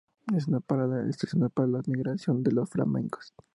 Es una parada estacional para la migración de los flamencos.